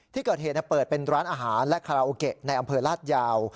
ที่เกิดเหตุเปิดเป็นร้านอาหารและคาราโอเกะในอำเภอลาดยาว